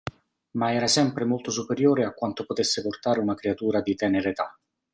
Ma era sempre molto superiore a quanto potesse portare una creatura di tenera età.